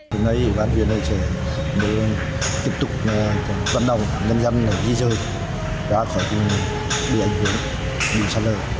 hôm nay bán viên này sẽ tiếp tục vận động nhân dân di rời ra khỏi đường đường sát lở